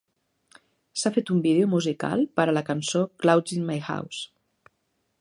S'ha fet un vídeo musical per a la cançó "Clouds in My House".